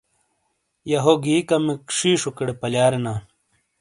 یَہہ ہو گھی کمیک شِیشوکیڑے پَلیارینا۔